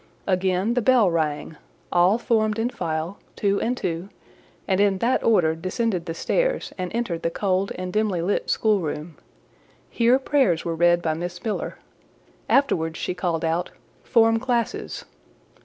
Again the bell rang: all formed in file, two and two, and in that order descended the stairs and entered the cold and dimly lit schoolroom: here prayers were read by Miss Miller; afterwards she called out— "Form classes!"